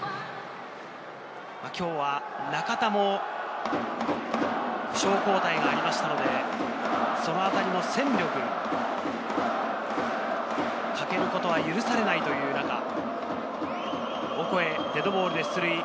今日は中田も負傷交代がありましたので、そのあたりの戦力、欠けることは許されないという中、オコエ、デッドボールで出塁。